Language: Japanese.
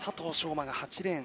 馬が８レーン。